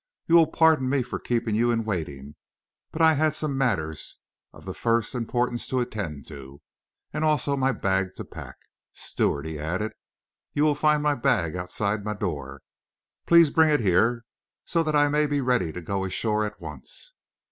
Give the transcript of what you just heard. "You will pardon me for keeping you in waiting, but I had some matters of the first importance to attend to; and also my bag to pack. Steward," he added, "you will find my bag outside my door. Please bring it here, so that I may be ready to go ashore at once."